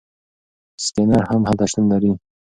سکینر هم هلته شتون لري.